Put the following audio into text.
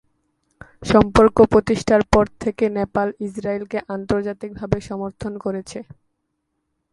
সম্পর্ক প্রতিষ্ঠার পর থেকে নেপাল ইসরায়েলকে আন্তর্জাতিকভাবে সমর্থন করেছে।